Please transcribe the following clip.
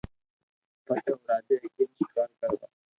پسي او راجا ايڪ دن ݾڪار ڪروا